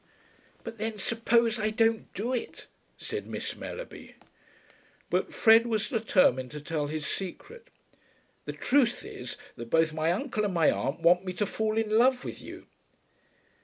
"But then suppose I don't do it," said Miss Mellerby. But Fred was determined to tell his secret. "The truth is that both my uncle and my aunt want me to fall in love with you."